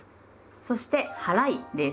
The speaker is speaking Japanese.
そして「はらい」です。